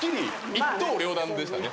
一刀両断でしたね。